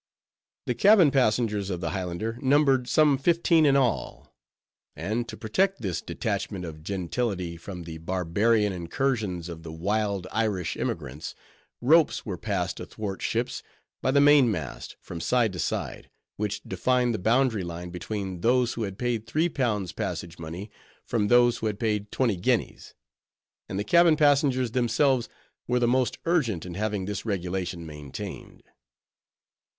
The cabin passengers of the Highlander numbered some fifteen in all; and to protect this detachment of gentility from the barbarian incursions of the "wild Irish" emigrants, ropes were passed athwart ships, by the main mast, from side to side: which defined the boundary line between those who had paid three pounds passage money, from those who had paid twenty guineas. And the cabin passengers themselves were the most urgent in having this regulation maintained.